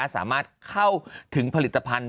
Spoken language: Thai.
สามารถเข้าถึงผลิตภัณฑ์